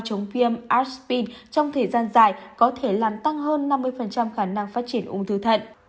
chống viêm aspine trong thời gian dài có thể làm tăng hơn năm mươi khả năng phát triển ung thư thận